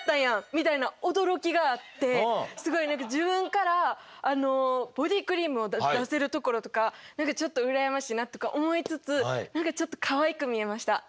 みたいな驚きがあってすごい何か自分からボディークリームを出せるところとか何かちょっと羨ましいなとか思いつつはい。